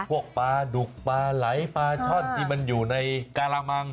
พวกปลาดุกปลาไหลปลาช่อนที่มันอยู่ในการามัง